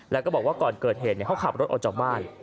แล้วก็บอกว่าก่อนเกิดเหตุเขาขับรถออกจากบ้าน